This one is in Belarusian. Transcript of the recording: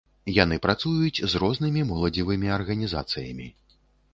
Яны працуюць з рознымі моладзевымі арганізацыямі.